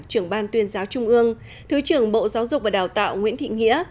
trưởng ban tuyên giáo trung ương thứ trưởng bộ giáo dục và đào tạo nguyễn thị nghĩa